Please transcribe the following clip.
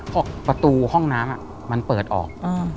ประตูห้องน้ำมันเปิดออก